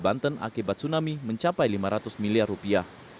banten akibat tsunami mencapai lima ratus miliar rupiah